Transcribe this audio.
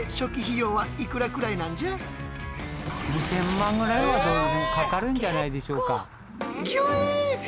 ２０００万ぐらいはどうしてもかかるんじゃないでしょうか。